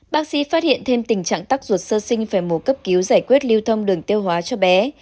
bác sĩ phát hiện thêm tình trạng tắc ruột sơ sinh phải mổ cấp cứu giải quyết lưu thông đường tiêu hóa cho bé